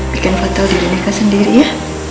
bikin fatal diri mika sendiri ya